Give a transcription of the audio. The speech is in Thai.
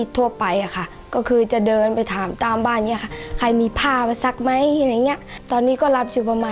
ตกเดือนหนึ่งได้เดือนละ๖๐๐บาท